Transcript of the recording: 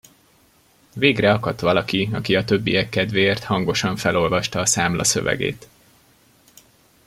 Végre akadt valaki, aki a többiek kedvéért hangosan felolvasta a számla szövegét.